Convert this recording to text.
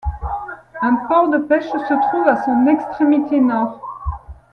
Un port de pêche se trouve à son extrémité nord.